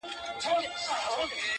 چي ټوله ورځ ستا د مخ لمر ته ناست وي؛